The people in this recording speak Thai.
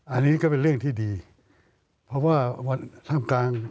อันนี้ก็เป็นเรื่องที่ดีเพราะว่าวันท่ามกลาง